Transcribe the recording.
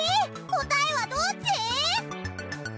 答えはどっち？